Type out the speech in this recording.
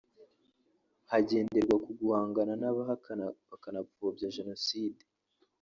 hagenderwa ku guhangana n’abahakana bakanapfobya Jenoside